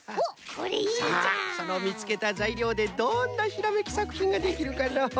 さあそのみつけたざいりょうでどんなひらめきさくひんができるかのう？